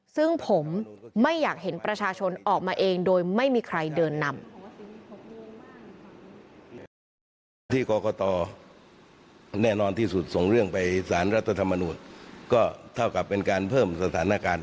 ซึ่งผมไม่อยากเห็นประชาชนออกมาเองโดยไม่มีใครเดินนำ